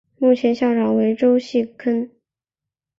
目前校长为周戏庚。